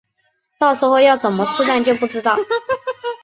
到时候要怎么出站就不知道